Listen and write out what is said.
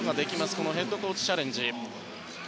このヘッドコーチチャレンジ。